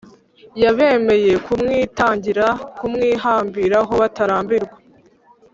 y’abemeye kumwitangira, kumwihambiraho batarambirwa